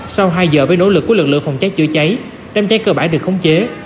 sau hai giờ với nỗ lực của lực lượng phòng cháy chữa cháy đám cháy cơ bản được khống chế